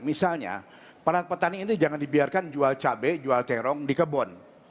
misalnya para petani ini jangan dibiarkan jual cabai jual terong di kebun